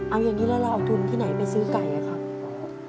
เอาอย่างนี้แล้วเราเอาทุนที่ไหนไปซื้อไก่อะครับ